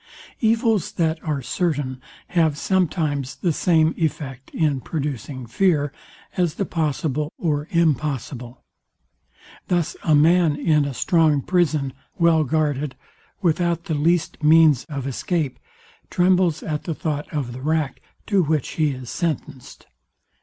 Evils, that are certain, have sometimes the same effect in producing fear, as the possible or impossible. Thus a man in a strong prison well guarded, without the least means of escape, trembles at the thought of the rack, to which he is sentenced.